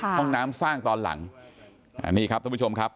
ห้องน้ำสร้างตอนหลังอันนี้ครับท่านผู้ชมครับ